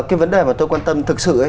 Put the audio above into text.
cái vấn đề mà tôi quan tâm thực sự